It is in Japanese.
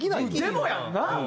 でもやんな。